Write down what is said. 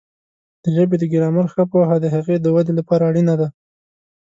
د ژبې د ګرامر ښه پوهه د هغې د وده لپاره اړینه ده.